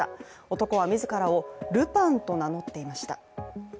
男は自らをルパンと名乗っていました。